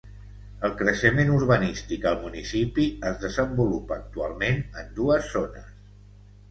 El creixement urbanístic al municipi es desenvolupa actualment en dues zones.